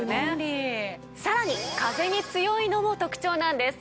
さらに風に強いのも特長なんです。